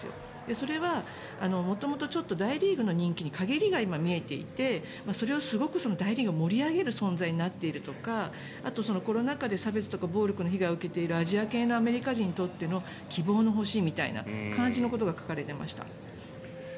それは元々、大リーグの人気に陰りが今、見えていてそれをすごく大リーグを盛り上げる存在になっているとかあと、コロナ禍で差別とか暴力の被害を受けているアジア系のアメリカ人にとっての希望の星みたいな感じのことが書かれていました。